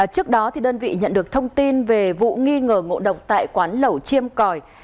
trước đó đơn vị nhận được thông tin về vụ nghi ngờ ngộ độc tại quán lẩu chiêm còi